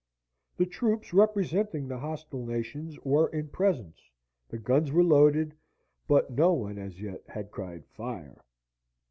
The troops representing the hostile nations were in presence the guns were loaded, but no one as yet had cried "Fire."